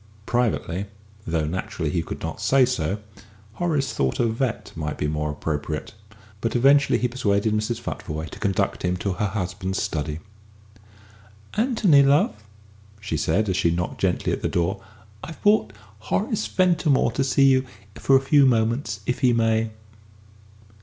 Privately, though naturally he could not say so, Horace thought a vet. might be more appropriate, but eventually he persuaded Mrs. Futvoye to conduct him to her husband's study. "Anthony, love," she said, as she knocked gently at the door, "I've brought Horace Ventimore to see you for a few moments, if he may."